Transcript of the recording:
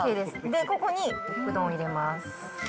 ここにうどん入れます。